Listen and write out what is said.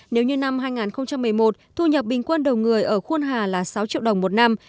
nếu như năm hai nghìn một mươi một thu nhập bình quân đầu người ở khuôn hà là sáu triệu đồng một năm